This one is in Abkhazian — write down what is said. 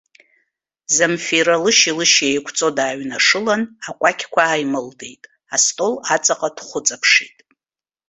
Замфира лышьеи-лышьеи еиқәҵо дааҩнашылан, акәакьқәа ааимылдеит, астол аҵаҟа дхәыҵаԥшит.